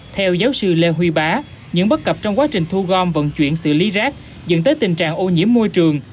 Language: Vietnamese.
theo giáo sư lê huy bá những bất cập trong quá trình thu gom vận chuyển xử lý rác dẫn tới tình trạng ô nhiễm môi trường